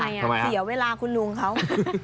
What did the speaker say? ทีนี้ลูกค้าเสียเวลาของคุณลุงเขา